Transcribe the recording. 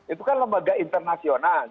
itu kan lembaga internasional